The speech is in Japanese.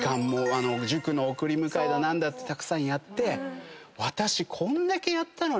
塾の送り迎えだ何だってたくさんやって「こんだけやったのに。